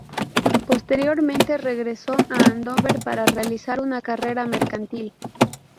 Posteriormente, regresó a Andover para realizar una carrera mercantil.